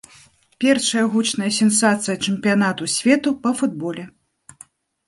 Першая гучная сенсацыя чэмпіянату свету па футболе.